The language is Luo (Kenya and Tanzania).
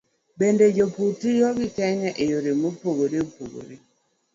Bende, jopur tiyo gi Kenya e yore mopogore opogore.